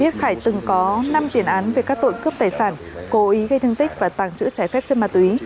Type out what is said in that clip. khải từng có năm tiền án về các tội cướp tài sản cố ý gây thương tích và tàng trữ trái phép chất ma túy